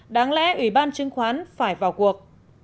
đáng lẽ ủy ban chứng khoán phải vào cuộc